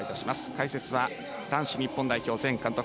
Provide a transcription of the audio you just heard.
解説は男子日本代表前監督